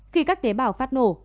khi các tế bào phát nổ